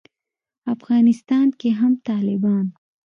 افغانستان کې هم طالبان